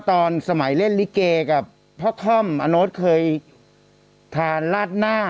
ตอนสมัยเล่นลิเกกับพ่อค่อมอโน๊ตเคยทานลาดหน้า